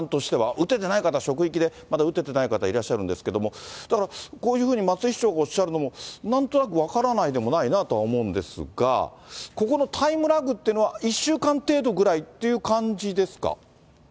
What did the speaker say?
打ててない方、職域でまだ打ててない方いらっしゃるんですけれども、だから、こういうふうに松井市長がおっしゃるのもなんとなく分からないでもないなと思うんですが、ここのタイムラグというのは、１週間程度ぐらいっていう感じですか。